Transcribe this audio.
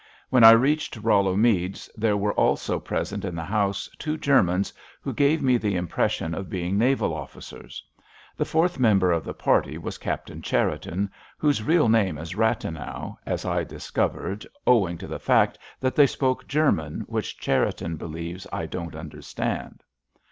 When I reached Rollo Meads there were also present in the house two Germans, who gave me the impression of being naval officers. The fourth member of the party was Captain Cherriton, whose real name is Rathenau, as I discovered owing to the fact that they spoke German, which Cherriton believes I don't understand."